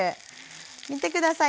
見て下さい。